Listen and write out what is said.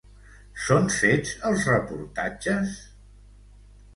Són fets els reportatges?